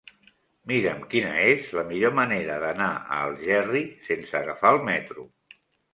Mira'm quina és la millor manera d'anar a Algerri sense agafar el metro.